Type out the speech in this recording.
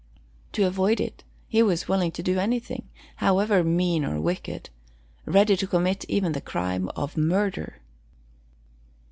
To avoid it, he was willing to do anything, however mean or wicked, ready to commit even the crime of murder!